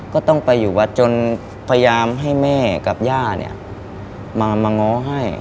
ก็ต้องไปอยู่วัดจนพยายามให้แม่กับย่าเนี่ยมาง้อให้